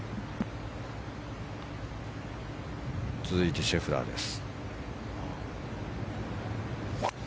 続いてシェフラーです。